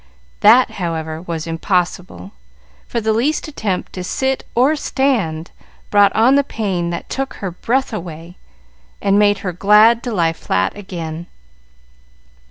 That, however, was impossible, for the least attempt to sit or stand brought on the pain that took her breath away and made her glad to lie flat again.